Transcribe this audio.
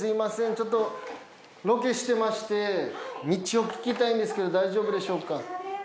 ちょっとロケしてまして道を聞きたいんですけど大丈夫でしょうか？